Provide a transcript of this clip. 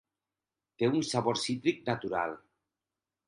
Té un sabor cítric natural.